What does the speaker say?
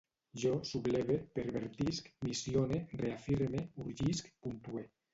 Jo subleve, pervertisc, missione, reafirme, urgisc, puntue